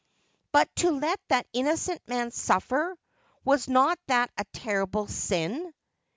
' But to let that innocent man suffer — was not that a terrible sin?'